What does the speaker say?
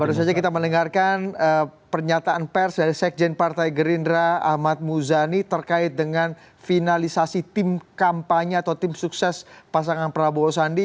baru saja kita mendengarkan pernyataan pers dari sekjen partai gerindra ahmad muzani terkait dengan finalisasi tim kampanye atau tim sukses pasangan prabowo sandi